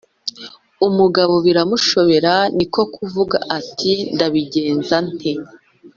umugabo biramushobera, niko kuvuga ati «ndabigenza nte?